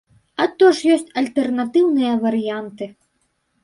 А то ж ёсць альтэрнатыўныя варыянты.